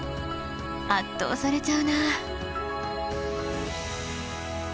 圧倒されちゃうなあ。